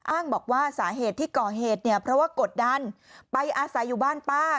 อ้างบอกว่าสาเหตุที่ก่อเหตุเนี่ยเพราะว่ากดดันไปอาศัยอยู่บ้านป้า